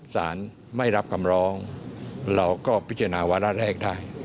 สารไม่รับคำร้องเราก็พิจารณาวาระแรกได้